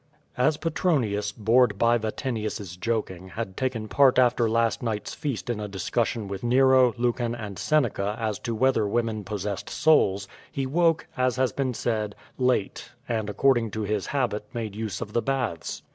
As Petronius, bored by Yatinius's joking, had taken part after last night's feast in a discussion with Nero, Lucan and Seneca as to whether women possessed souls, he woke, as has been said, late, and according to his habit made use of the baths.